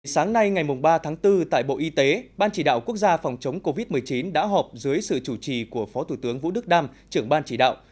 sáng nay ngày ba tháng bốn tại bộ y tế ban chỉ đạo quốc gia phòng chống covid một mươi chín đã họp dưới sự chủ trì của phó thủ tướng vũ đức đam trưởng ban chỉ đạo